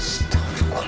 setelah enam bulan